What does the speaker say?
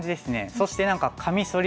そして何かカミソリ